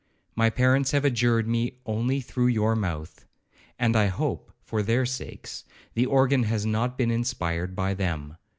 My parents have adjured me only through your mouth; and I hope, for their sakes, the organ has not been inspired by them.